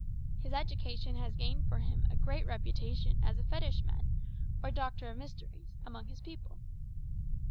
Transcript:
His education has gained for him a great reputation as a fetishman, or doctor of mysteries, among his people.